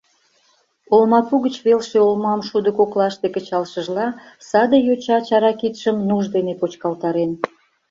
Олмапу гыч велше олмам шудо коклаште кычалшыжла, саде йоча чара кидшым нуж дене почкалтарен.